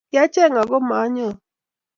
Kiacheny ako ma anyori